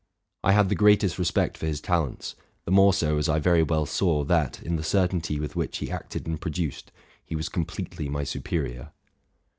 I had the greatest respect for his talents, the more so as I very well saw, that, in the certainty with which he acted and produced, he was completely my superior.